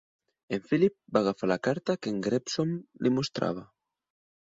En Philip va agafar la carta que en Gregson li mostrava.